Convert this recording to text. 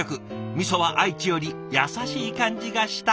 味は愛知より「優しい感じがした」